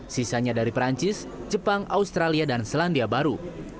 sisanya dari perancis jepang australia dan selandia baru